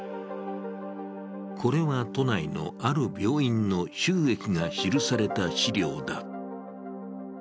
これは都内の、ある病院の収益が記された資料だ。